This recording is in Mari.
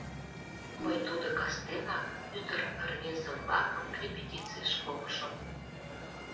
Мый тудо кастенак ӱдыр-рвезе-влакым репетицийыш погышым.